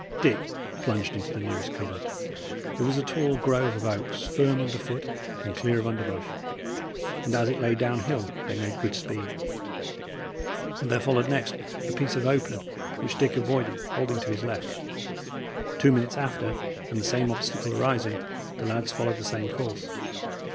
Dick plunged into the nearest cover. It was a tall grove of oaks, firm under foot and clear of underbrush, and as it lay down hill, they made good speed. There followed next a piece of open, which Dick avoided, holding to his left. Two minutes after, and the same obstacle arising, the lads followed the same course.